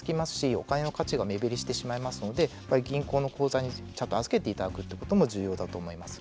お金の価値が目減りしてしまいますので銀行の口座にちゃんと預けていただくということも重要だと思います。